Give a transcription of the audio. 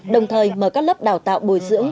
đồng thời mở các lớp đào tạo bồi dưỡng